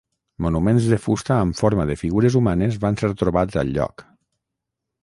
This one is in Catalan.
Monuments de fusta amb forma de figures humanes van ser trobats al lloc.